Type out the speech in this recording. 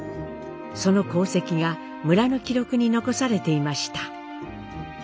その功績が村の記録に残されていました。